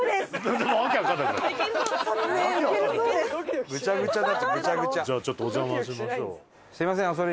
すみません。